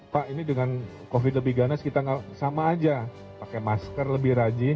pak ini dengan covid lebih ganas kita sama aja pakai masker lebih rajin